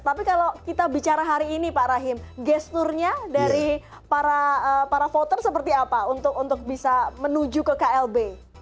tapi kalau kita bicara hari ini pak rahim gesturnya dari para voter seperti apa untuk bisa menuju ke klb